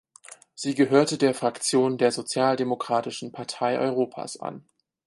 Sie gehörte der Fraktion der Sozialdemokratischen Partei Europas an.